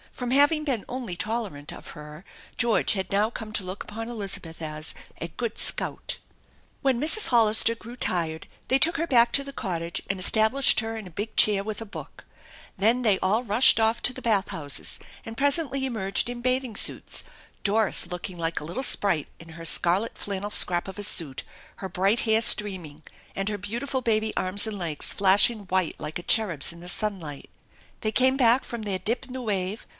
From having been only tolerant of her George had now come to look upon Elizabeth as "a good scout." When Mrs. Hollister grew tired they took her back to the cottage and established her in a big chair with p hook. Then they all rushed off to the bath houses and presently 232 THE ENCHANTED BARN 233 emerged in bathing suits, Doris looking like a little sprite in her scarlet flannel scrap of a suit, her bright hair streaming, and her beautiful baby arms and legs flashing i^ite like a cherub's in the sunlight. They came back from their dip in the wave